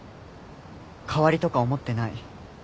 代わりとか思ってない。